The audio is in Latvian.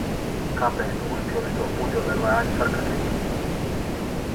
Kāpēc tu uzpildi to pudeli ar lētu sarkanvīnu?